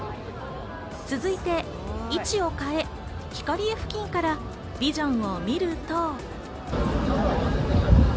続いて位置を変え、ヒカリエ付近からビジョンを見ると。